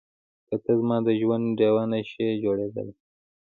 که ته زما د ژوند ډيوه نه شې جوړېدای.